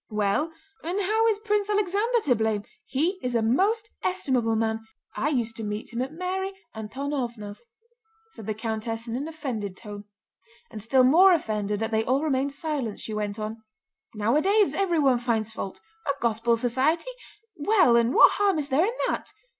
"Well, and how is Prince Alexander to blame? He is a most estimable man. I used to meet him at Mary Antónovna's," said the countess in an offended tone; and still more offended that they all remained silent, she went on: "Nowadays everyone finds fault. A Gospel Society! Well, and what harm is there in that?"